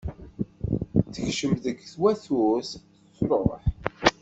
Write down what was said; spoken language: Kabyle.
Tekcem deg twaturt, truḥ.